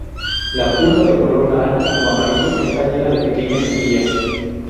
La pulpa de color naranja o amarillo está llena de pequeñas semillas.